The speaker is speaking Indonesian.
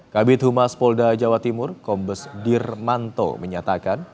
kabit humas polda jawa timur kombes dirmanto menyatakan